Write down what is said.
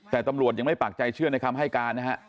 แต่ตำรวจยังไม่ปากใจเชื่อในคำให้การนะฮะ